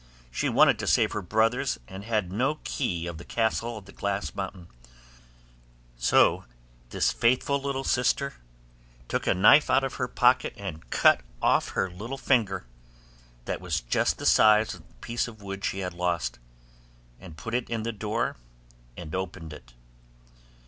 She wanted to save her brothers, and had no key of the castle of the glass mountain; so this faithful little sister took a knife out of her pocket and cut off her little finger, that was just the size of the piece of wood she had lost, and put it in the door and opened it.